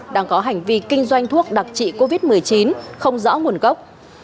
đang có hành vi kinh doanh thuốc đặc trị covid một mươi chín không rõ nguồn gốc